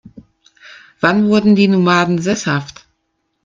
Wann wurden die Nomaden sesshaft?